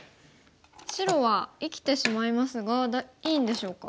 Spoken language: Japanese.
白は生きてしまいますがいいんでしょうか？